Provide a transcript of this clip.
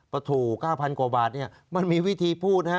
ประถู่๙๐๐๐กโบบาทเนี่ยมันมีวิธีพูดนะครับ